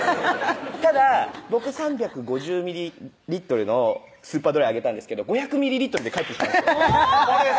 ただ僕３５０ｍｌの「スーパードライ」あげたんですけど５００ｍｌで返ってきたんですよおぉっ！